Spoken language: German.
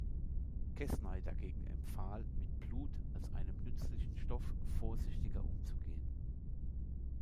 Quesnay dagegen empfahl, mit Blut als einem nützlichen Stoff vorsichtiger umzugehen.